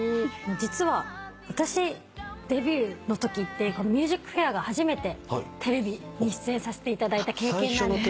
実は私デビューのときって『ＭＵＳＩＣＦＡＩＲ』が初めてテレビに出演させていただいた経験なんですけど。